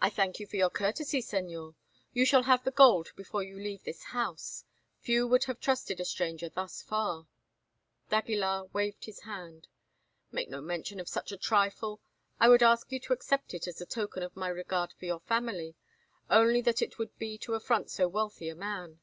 "I thank you for your courtesy, Señor. You shall have the gold before you leave this house. Few would have trusted a stranger thus far." d'Aguilar waved his hand. "Make no mention of such a trifle. I would ask you to accept it as a token of my regard for your family, only that would be to affront so wealthy a man.